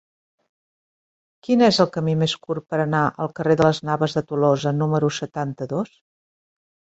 Quin és el camí més curt per anar al carrer de Las Navas de Tolosa número setanta-dos?